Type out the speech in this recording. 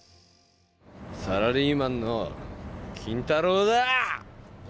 サラリーマンの金太郎だ！